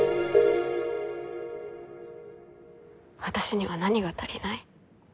私には何が足りない？